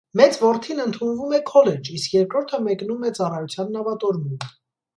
Մեծ որդին ընդունվում է քոլեջ, իսկ երկրորդը մեկնում է ծառայության նավատորմում։